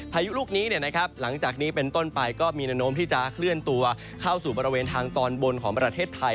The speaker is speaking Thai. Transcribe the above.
พายุลูกนี้หลังจากนี้เป็นต้นไปก็มีแนวโน้มที่จะเคลื่อนตัวเข้าสู่บริเวณทางตอนบนของประเทศไทย